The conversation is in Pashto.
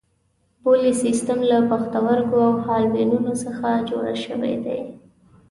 بولي سیستم له پښتورګو او حالبینو څخه جوړ شوی دی.